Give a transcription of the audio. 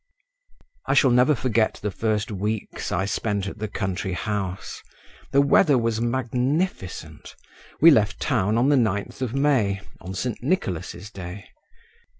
I shall never forget the first weeks I spent at the country house. The weather was magnificent; we left town on the 9th of May, on St. Nicholas's day.